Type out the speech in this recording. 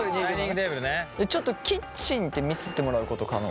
ちょっとキッチンって見せてもらうこと可能？